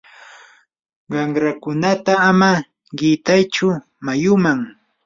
qanrakunata ama qitaychu mayuman.